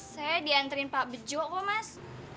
saya dianterin pak bejo pak mas